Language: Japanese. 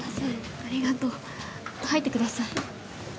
ありがとう入ってください